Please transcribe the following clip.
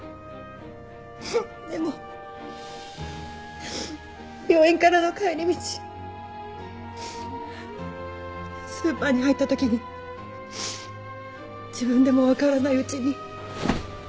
でも病院からの帰り道スーパーに入った時に自分でもわからないうちに。